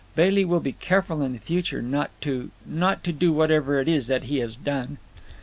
Bailey will be careful in future not to—not to do whatever it is that he has done."